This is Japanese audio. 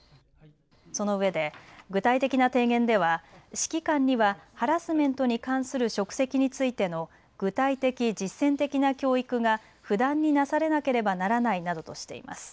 そのうえで具体的な提言では指揮官にはハラスメントに関する職責についての具体的・実践的な教育が不断になされなければならないなどとしています。